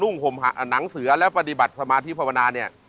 หนังเสือและปฏิบัติสมาธิภาวนาเนี่ย